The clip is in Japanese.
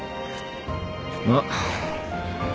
まあ。